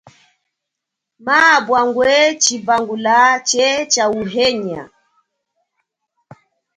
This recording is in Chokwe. Maabwa ngwe chipangula che cha uhenya.